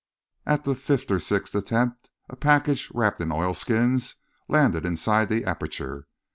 At the fifth or sixth attempt, a package, wrapped in oilskins, landed inside the aperture.